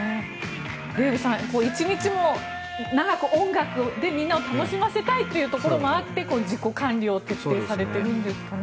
デーブさん一日も長く音楽でみんなを楽しませたいというところがあって自己管理を徹底されているんですかね。